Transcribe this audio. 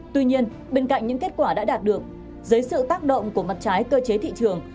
tuy nhiên bên cạnh những kết quả đã đạt được dưới sự tác động của mặt trái cơ chế thị trường